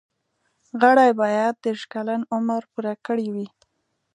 غړي باید دیرش کلن عمر پوره کړی وي.